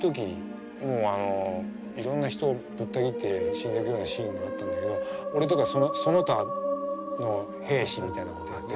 もうあのいろんな人をぶった切って死んでくようなシーンがあったんだけど俺とかその他の兵士みたいなので出て。